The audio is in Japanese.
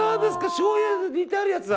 しょうゆで煮てあるやつだ。